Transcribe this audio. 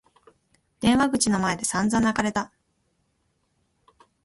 電話口の前で散々泣かれた。